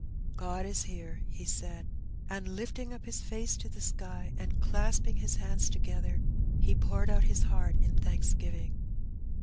''God is here/' he said; and lifting up his face to the sky, and clasping his hands together^ he poured out his heart in thanksgiving.